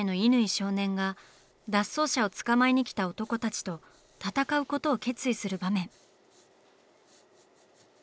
少年が脱走者を捕まえにきた男たちと闘うことを決意する場面。